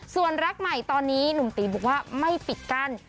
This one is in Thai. ส่วนรักใหม่ตอนนี้หนุ่มตีบอกว่าไม่ปิดกั้น